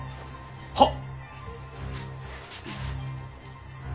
はっ。